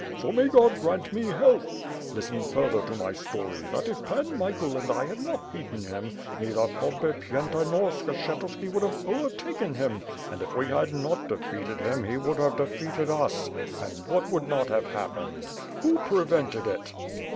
So may God grant me health. Listen further to my stoiy; that if Pan Michael and I had not beaten him, neither Podbiyenta nor Skshetuski would have overtaken him; and if we had not defeated him he would have defeated us — and what would not have hap pened. Who prevented it?''